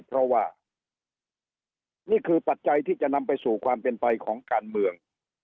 เพราะว่านี่คือปัจจัยที่จะนำไปสู่ความเป็นไปของการเมือง